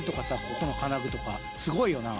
ここの金具とかすごいよな？